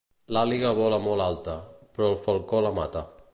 L'àliga vola molt alta, però el falcó la mata.